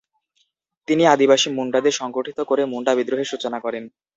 তিনি আদিবাসী মুন্ডাদের সংগঠিত করে মুন্ডা বিদ্রোহের সূচনা করেন।